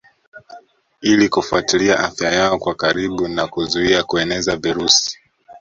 Ili kufuatilia afya yao kwa karibu na kuzuia kueneza virusi